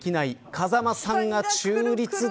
風間さんが中立だ。